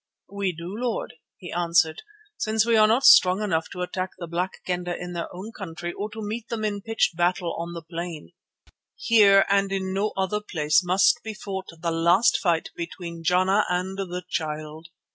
"We do, Lord," he answered, "since we are not strong enough to attack the Black Kendah in their own country or to meet them in pitched battle on the plain. Here and in no other place must be fought the last fight between Jana and the Child.